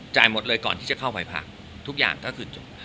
หมดเลยก่อนที่จะเข้าไปพักทุกอย่างก็คือจบ